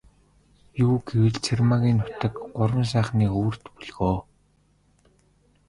Юу гэвэл, Цэрмаагийн нутаг Гурван сайхны өвөрт бөлгөө.